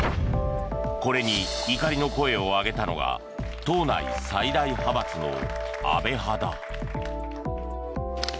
これに怒りの声を上げたのが党内最大派閥の安倍派だ。